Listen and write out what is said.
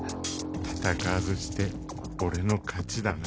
戦わずして俺の勝ちだな。